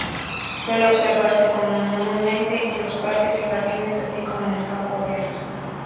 Suele observarse comúnmente en los parques y jardines, así como en campo abierto.